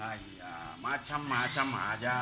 ayah macam macam aja